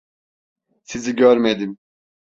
Sizi görmedim.